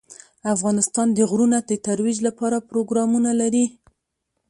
افغانستان د غرونه د ترویج لپاره پروګرامونه لري.